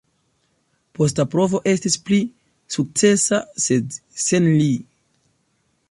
Posta provo estis pli sukcesa, sed sen li.